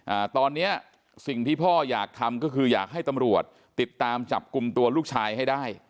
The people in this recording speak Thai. อ่าตอนเนี้ยสิ่งที่พ่ออยากทำก็คืออยากให้ตำรวจติดตามจับกลุ่มตัวลูกชายให้ได้